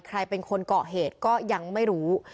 ใครเป็นคนเกาะเหตุก็ยังไม่รู้